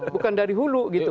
bukan dari hulu gitu